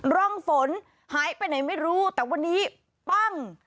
ร่องฝนหายไปไหนไม่รู้แต่วันนี้ปั้ง